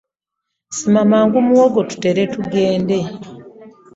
Sima mangu muwogo tutere tugende .